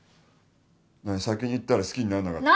何先に言ったら好きになんなかった？